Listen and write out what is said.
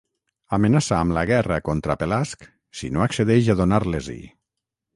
Amenaça amb la guerra contra Pelasg si no accedeix a donar-les-hi.